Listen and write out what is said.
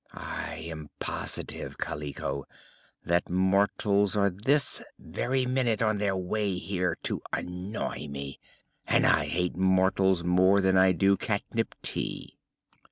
I am positive, Kaliko, that mortals are this very minute on their way here to annoy me and I hate mortals more than I do catnip tea!"